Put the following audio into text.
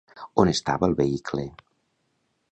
On estava el vehicle?